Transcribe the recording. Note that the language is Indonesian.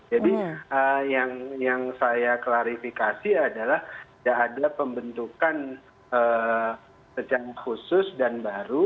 jadi yang saya klarifikasi adalah tidak ada pembentukan secara khusus dan baru